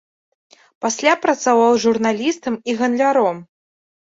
Пасля працаваў журналістам і гандляром.